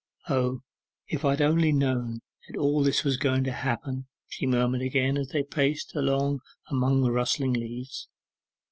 'O, if I had only known that all this was going to happen!' she murmured again, as they paced along upon the rustling leaves.